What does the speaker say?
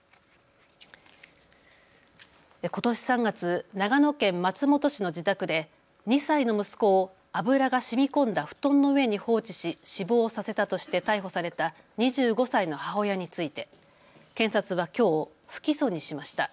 ことし３月、長野県松本市の自宅で２歳の息子を油がしみこんだ布団の上に放置し死亡させたとして逮捕された２５歳の母親について検察はきょう不起訴にしました。